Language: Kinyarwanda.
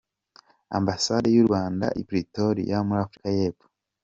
Ambasade y’u Rwanda i Pretoria muri Afrika y’Epfo